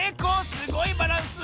すごいバランス！